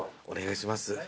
お願いします。